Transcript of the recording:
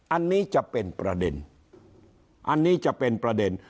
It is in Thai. อันนี้จะเป็นประเด็นอันนี้จะเป็นประเด็น